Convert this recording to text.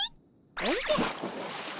おじゃっ。